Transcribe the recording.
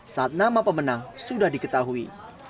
saat nama pemenang sudah diketahui